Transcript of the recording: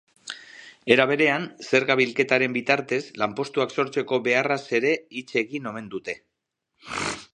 Era berean, zerga-bilketaren bitartez lanpostuak sortzeko beharraz ere hitz egin omen dute.